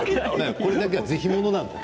これだけはぜひものなの？